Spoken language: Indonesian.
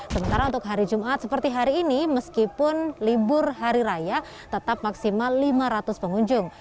sementara untuk hari jumat seperti hari ini meskipun libur hari raya tetap maksimal lima ratus pengunjung